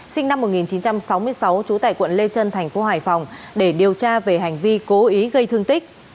sinh năm một nghìn chín trăm sáu mươi sáu trú tại quận lê trân thành phố hải phòng để điều tra về hành vi cố ý gây thương tích